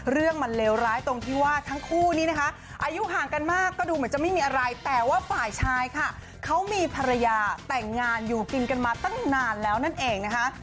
เรื่องมันเลวร้ายตรงที่ว่าทั้งคู่นี้นะคะอายุห่างกันมากก็ดูเหมือนจะไม่มีอะไรแต่ว่าฝ่ายชายค่ะเขามีภรรยาแต่งงานอยู่กินกันมาตั้งนานแล้วนั่นเองนะคะ